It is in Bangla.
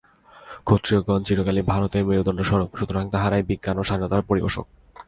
ক্ষত্রিয়গণ চিরকালই ভারতের মেরুদণ্ডস্বরূপ, সুতরাং তাঁহারাই বিজ্ঞান ও স্বাধীনতার পরিপোষক।